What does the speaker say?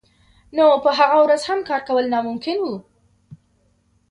نو په هغه ورځ هم کار کول ناممکن وو